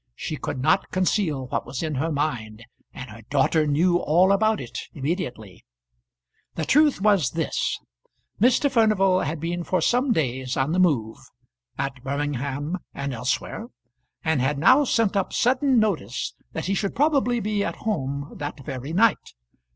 she could not conceal what was in her mind, and her daughter knew all about it immediately. The truth was this. Mr. Furnival had been for some days on the move, at Birmingham and elsewhere, and had now sent up sudden notice that he should probably be at home that very night.